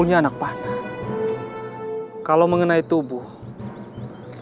kenapa kamu bisa terluka